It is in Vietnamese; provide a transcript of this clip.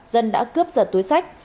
dân đã cướp giật túi sách